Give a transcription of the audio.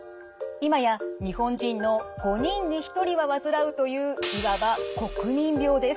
今や日本人の５人に１人は患うといういわば国民病です。